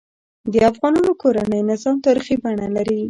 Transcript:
د افغانانو کورنۍ نظام تاریخي بڼه لري.